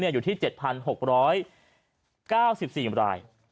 อยู่ที่๗๖๙๔ราย